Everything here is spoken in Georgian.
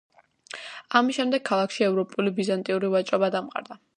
ამის შემდეგ, ქალაქში ევროპული და ბიზანტიური ვაჭრობა დამყარდა.